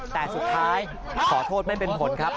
แต่สุดท้ายขอโทษไม่เป็นผลครับ